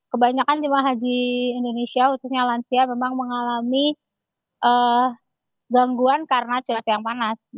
kebanyakan jemaah haji indonesia khususnya lansia memang mengalami gangguan karena cuaca yang panas